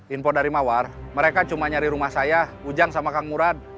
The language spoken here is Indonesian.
impor dari mawar mereka cuma nyari rumah saya ujang sama kang murad